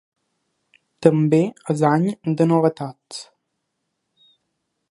També és any de novetats.